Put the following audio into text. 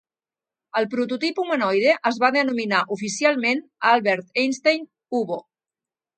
El prototip humanoide es va denominar oficialment "Albert Einstein Hubo".